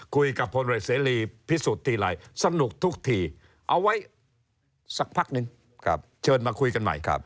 คุยกับพนฤษลีพิสูจน์ทีไหลสนุกทุกทีเอาไว้สักพักนึงเชิญมาคุยกันใหม่